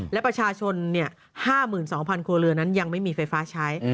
และประชาชน๕๒๐๐ครัวเรือนนั้นยังไม่มีไฟฟ้าใช้